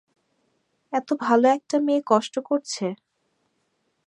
এত ভালো একটা মেয়ে কষ্ট করছে।